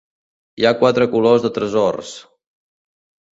Hi ha quatre colors de tresors: